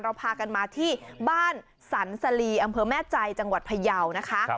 พากันมาที่บ้านสรรสลีอำเภอแม่ใจจังหวัดพยาวนะคะ